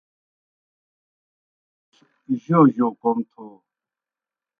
ایْک ݜِݜ منُوڙوْس جوْ جوْ کوْم تھو۔